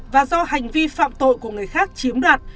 và do hành vi phạm tội của người khác chiếm đoạt